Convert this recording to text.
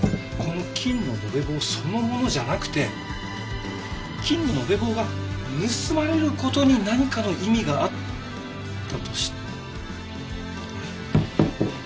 この金の延べ棒そのものじゃなくて金の延べ棒が盗まれる事に何かの意味があったとしたら。